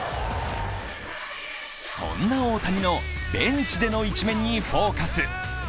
そんな大谷のベンチでの一面にフォーカス。